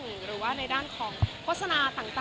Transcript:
อีกนึงหรือว่าด้านของโฮศนาต่าง